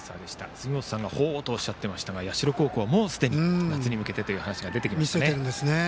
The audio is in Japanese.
杉本さんがほおとおっしゃっていましたが社高校はすでに夏に向けてという話が出てきましたね。